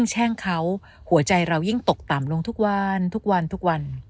หัวใจเรายิ่งตกต่ำลงทุกวันทุกวันทุกวัน